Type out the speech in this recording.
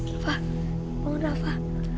rafa bangun rafa